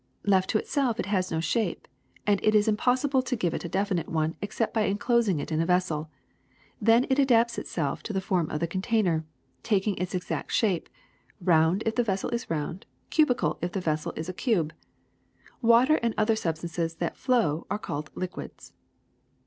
Left to itself it has no shape, and it is impossible to give it a definite one except by enclosing it in a vessel. Then it adapts itself to the form of the container, taking its exact shape — round if the vessel is round, cubical if the vessel is a cube. Water and other substances that flow are called liquids.